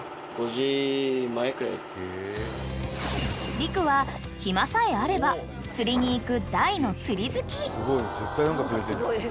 ［璃玖は暇さえあれば釣りに行く］